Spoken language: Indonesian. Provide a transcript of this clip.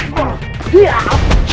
pretty bad nah